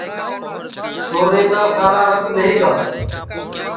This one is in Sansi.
چھورے کُا سارا رت ٻئہی گا